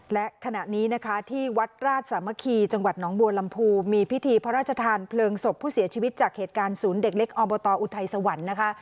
และขณะนี้นะคะที่วัดราชสามัคคีจังหวัดหนองบัวลำพูมีพิธีพระราชทานเพลิงศพผู้เสียชีวิตจากเหตุการณ์ศูนย์เด็กเล็กอบตอุทัยสวรรค์นะคะ